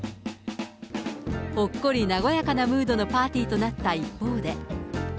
ほっこり和やかなムードのパーティーとなった一方で。